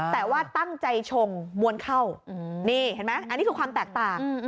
แต่ว่าตั้งใจชงมวลเข้านี่เห็นไหมอันนี้คือความแตกต่าง